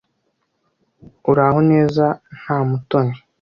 Uraho neza nta Mutoni.